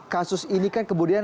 kasus ini kan kebudayaan